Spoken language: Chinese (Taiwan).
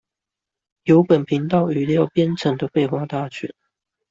由本頻道語料編成的廢話大全